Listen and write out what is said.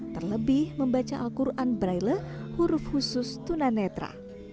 terlebih membaca al quran braille huruf khusus tunanetra